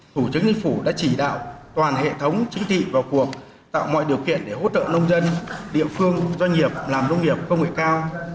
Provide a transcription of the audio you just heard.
thủ chức nhân phủ đã chỉ đạo toàn hệ thống chứng thị vào cuộc tạo mọi điều kiện để hỗ trợ nông dân địa phương doanh nghiệp làm nông nghiệp công nghệ cao